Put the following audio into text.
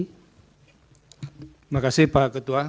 terima kasih pak ketua